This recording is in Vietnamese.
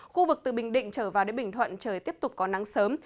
khu vực từ bình định trở vào đến bình thuận trời tiếp tục có nắng sớm